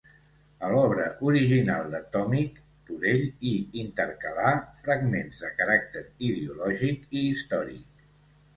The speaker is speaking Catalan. A l'obra original de Tomic, Turell hi intercalà fragments de caràcter ideològic i històric.